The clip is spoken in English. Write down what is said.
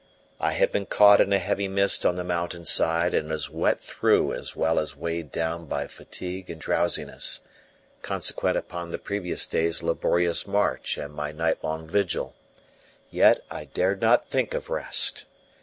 I had been caught in a heavy mist on the mountain side, and was wet through as well as weighed down by fatigue and drowsiness, consequent upon the previous day's laborious march and my night long vigil; yet I dared not think of rest.